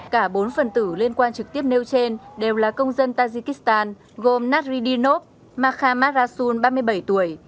cả bốn phần tử liên quan trực tiếp nêu trên đều là công dân tajikistan gồm naridinov makhamarasun ba mươi bảy tuổi